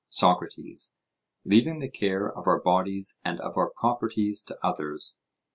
SOCRATES: Leaving the care of our bodies and of our properties to others?